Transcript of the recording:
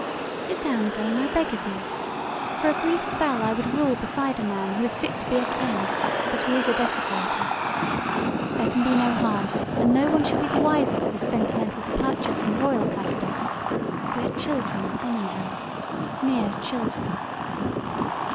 Sit down again, I beg of you. For a brief spell I would rule beside a man who is fit to be a king but who is a desecrator. There can be no harm and no one shall be the wiser for this sentimental departure from royal custom. We are children, anyhow mere children."